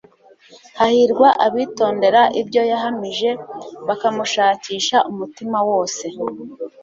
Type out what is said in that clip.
Hahirwa abitondera ibyo yahamije, bakamushakisha umutima wose.